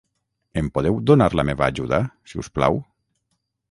Em podeu donar la meva ajuda, si us plau?